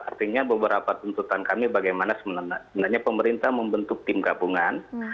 artinya beberapa tuntutan kami bagaimana sebenarnya pemerintah membentuk tim gabungan